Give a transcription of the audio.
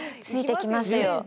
ついてきますよ。